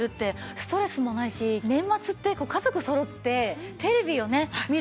ストレスもないし年末って家族そろってテレビを見る機会多いんでね。